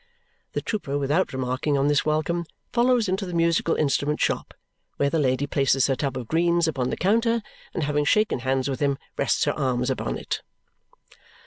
The trooper, without remarking on this welcome, follows into the musical instrument shop, where the lady places her tub of greens upon the counter, and having shaken hands with him, rests her arms upon it.